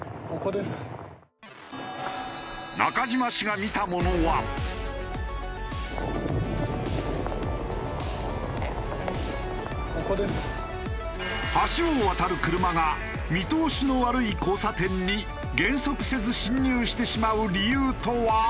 中島氏が橋を渡る車が見通しの悪い交差点に減速せず進入してしまう理由とは？